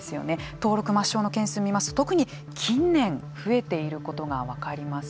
登録抹消の件数を見ますと特に近年増えていることが分かります。